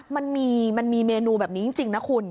มันมีเมนูแบบนี้จริงนะคุณ